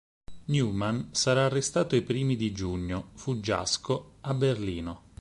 Newman sarà arrestato i primi di giugno, fuggiasco, a Berlino.